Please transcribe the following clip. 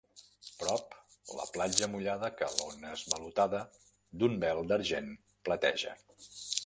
Prop la platja mullada que l'ona esvalotada, d'un vel d'argent plateja.